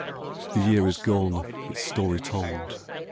The year is gone, its story told.